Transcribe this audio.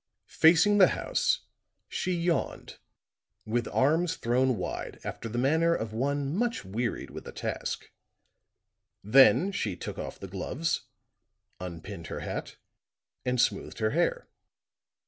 Facing the house, she yawned, with arms thrown wide after the manner of one much wearied with a task; then she took off the gloves, unpinned her hat and smoothed her hair.